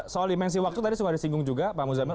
soal dimensi waktu tadi sudah disinggung juga pak muzamil